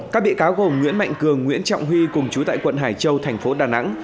các bị cáo gồm nguyễn mạnh cường nguyễn trọng huy cùng chú tại quận hải châu thành phố đà nẵng